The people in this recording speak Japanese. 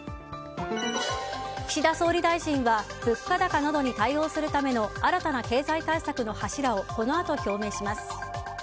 岸田総理大臣は物価高などに対応するための新たな経済対策の柱をこのあと表明します。